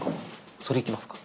それいきますか？